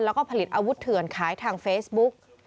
แล้วก็ผลิตอาวุธเถื่อนขายทางเฟซบุ๊ก